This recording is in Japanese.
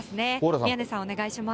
宮根さん、お願いします。